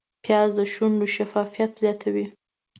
پیاز د شونډو شفافیت زیاتوي